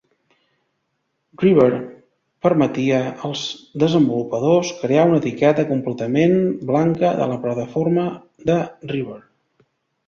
Revver permetia als desenvolupadors crear una etiqueta completament blanca de la plataforma de Revver.